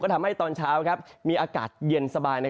ทำให้ตอนเช้ามีอากาศเย็นสบาย